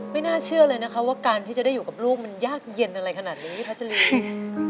ไม่น่าเชื่อเลยนะคะว่าการที่จะได้อยู่กับลูกมันยากเย็นอะไรขนาดนี้พัชรี